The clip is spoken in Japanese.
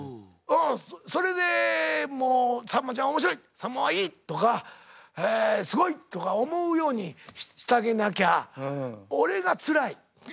それでもう「さんまちゃん面白い」「さんまはいい」とか「すごい」とか思うようにしてあげなきゃ俺がつらい。